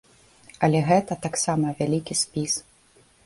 Але гэта таксама вялікі спіс.